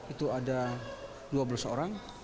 itu ada dua belas orang